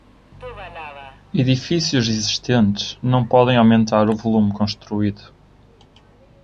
Edifícios existentes não podem aumentar o volume construído.